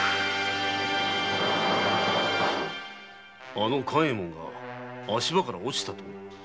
あの官右衛門が足場から落ちたと？